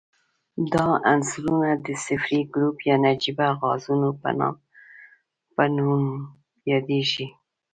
دا عنصرونه د صفري ګروپ یا نجیبه غازونو په نوم یادیږي.